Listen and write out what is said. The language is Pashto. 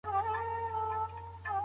هغوی په خپلو منځونو کي فکري سيالي کوي.